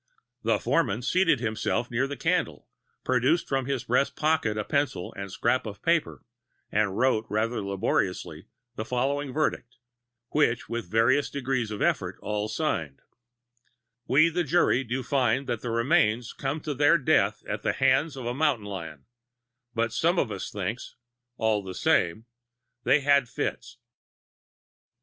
The foreman seated himself near the candle, produced from his breast pocket a pencil and scrap of paper, and wrote rather laboriously the following verdict, which with various degrees of effort all signed: "We, the jury, do find that the remains come to their death at the hands of a mountain lion, but some of us thinks, all the same, they had fits."